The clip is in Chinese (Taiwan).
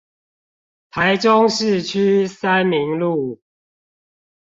台中市區三民路